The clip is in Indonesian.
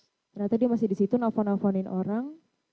ternyata dia masih di situ nelfon nelfonin orang